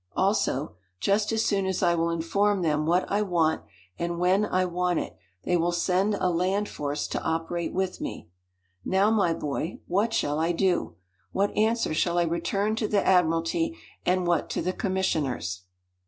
Also, just as soon as I will inform them what I want and when I want it they will send a land force to operate with me. Now, my boy, what shall I do? What answer shall I return to the admiralty and what to the commissioners?"